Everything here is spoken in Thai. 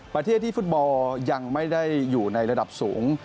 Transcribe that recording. ประเทศที่ฟุตบอลยังไม่ได้อยู่ในระดับสูง